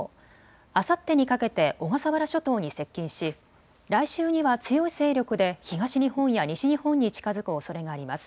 あさってにかけて小笠原諸島に接近し来週には強い勢力で東日本や西日本に近づくおそれがあります。